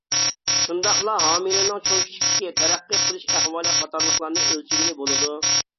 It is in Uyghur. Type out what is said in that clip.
شۇنداقلا ھامىلىنىڭ چوڭ-كىچىكلىكى، تەرەققىي قىلىش ئەھۋالى قاتارلىقلارنى ئۆلچىگىلى بولىدۇ.